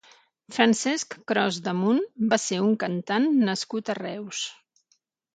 Francesc Cros Damunt va ser un cantant nascut a Reus.